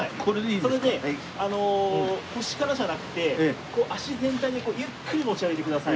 それであの腰からじゃなくて足全体でゆっくり持ち上げてください。